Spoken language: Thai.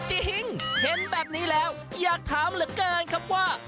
หิ้งเห็นแบบนี้แล้วอยากถามเหลือเกินครับว่า